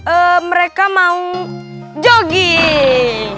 eee mereka mau jogging